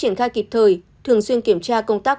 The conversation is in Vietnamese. triển khai kịp thời thường xuyên kiểm tra công tác